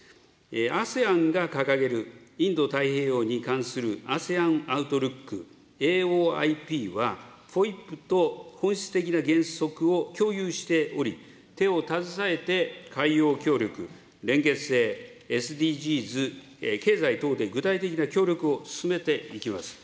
ＡＳＥＡＮが掲げるインド太平洋に関するＡＳＥＡＮアウトルック・ＡＯＩＰは、ＦＯＩＰと本質的な原則を共有しており、手を携えて、海洋協力、連結性、ＳＤＧｓ、経済等に具体的な協力を進めていきます。